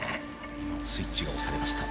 スイッチが押されました。